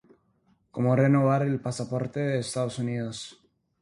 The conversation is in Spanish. Cómo renovar el pasaporte de Estados Unidos